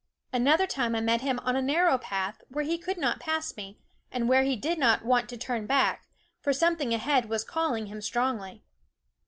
Another time I met him on a narrow path where he could not pass me, and where he did not want to turn back, for something ahead was calling him strongly.